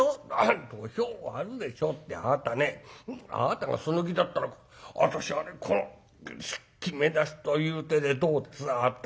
「『土俵を割るでしょ？』ってあなたねあなたがその気だったら私はねこのきめ出しという手でどうつながった。